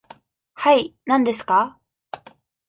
はい、何ですか。